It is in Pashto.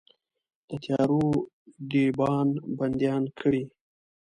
د تیارو دیبان بنديان کړئ